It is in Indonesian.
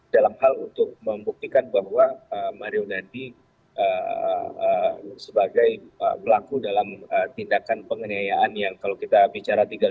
dalam hal untuk membuktikan bahwa mario ndadi sebagai berlaku dalam tindakan pengenian yang kalau kita bicara tiga ratus lima puluh lima